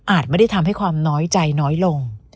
ไม่ได้ทำให้ความน้อยใจน้อยลง